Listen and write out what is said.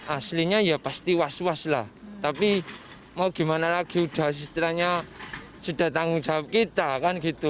aslinya ya pasti was was lah tapi mau gimana lagi sudah istilahnya sudah tanggung jawab kita kan gitu